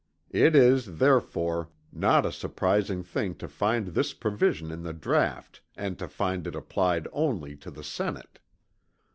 It is, therefore, not a surprising thing to find this provision in the draught and to find it applied only to the Senate.